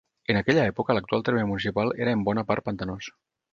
En aquella època l'actual terme municipal era en bona part pantanós.